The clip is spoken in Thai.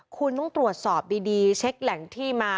คุณต้องตรวจสอบดีเช็คแหล่งที่มา